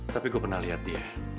tapi gue pernah lihat dia